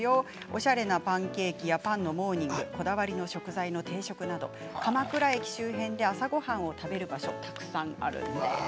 おしゃれなパンケーキやパンのモーニングこだわりの野菜の定食など鎌倉の駅の周辺で朝ごはんを食べる場所たくさんあります。